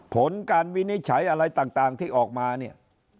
ผลการวินิจฉัยอะไรต่างที่ออกมาเนี่ย